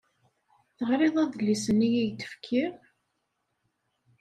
Teɣriḍ adlis-nni i k-d-fkiɣ?